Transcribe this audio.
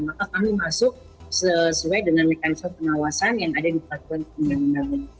maka kami masuk sesuai dengan mekanisme pengawasan yang ada di patroli pembinaan